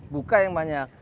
buka yang banyak